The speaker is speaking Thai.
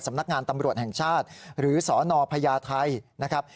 สำนักงานตำรวจแห่งชาติหรือสนพญาไทยนะครับ